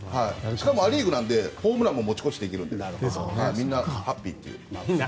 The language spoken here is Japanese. しかもア・リーグなのでホームランも持ち越しできてみんなハッピーという。